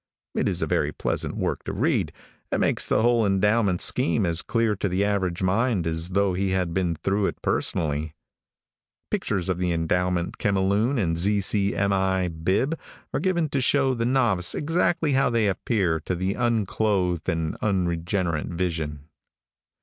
It is a very pleasant work to read, and makes the whole endowment scheme as clear to the average mind as though he had been through it personally. Pictures of the endowment chemiloon and Z. C. M. I. bib are given to show the novice exactly how they appear to the unclothed and unregenerate vision.